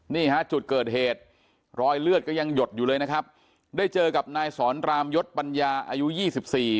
นี่ฮะจุดเกิดเหตุรอยเลือดก็ยังหยดอยู่เลยนะครับได้เจอกับนายสอนรามยศปัญญาอายุยี่สิบสี่